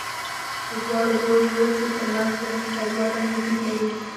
د دواړو لویو وچو تر منځ لوی اقتصادي واټن وجود لري.